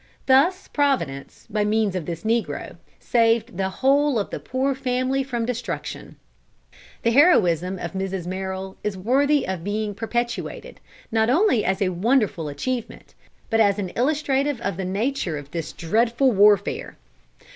Thus Providence, by means of this negro, saved the whole of the poor family from destruction." The heroism of Mrs. Merrill is worthy of being perpetuated, not only as a wonderful achievement, but as illustrative of the nature of this dreadful warfare.